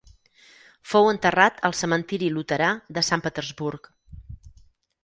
Fou enterrat al cementiri luterà de Sant Petersburg.